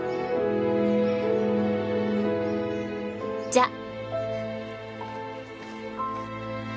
じゃあ。